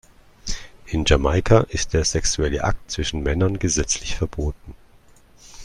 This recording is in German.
In Jamaika ist der sexuelle Akt zwischen Männern gesetzlich verboten.